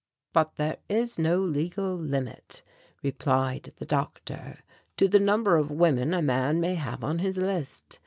"But there is no legal limit," replied the Doctor, "to the number of women a man may have on his list.